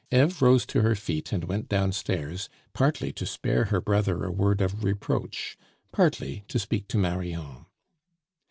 Eve rose to her feet and went downstairs, partly to spare her brother a word of reproach, partly to speak to Marion.